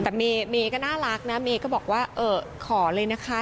แต่เมย์ก็น่ารักนะเมย์ก็บอกว่าเออขอเลยนะคะ